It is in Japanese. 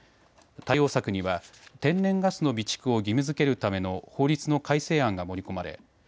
対応策には天然ガスの備蓄を義務づけるための法律の改正案が盛り込まれ